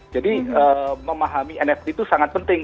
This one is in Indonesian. jadi memahami nft itu sangat penting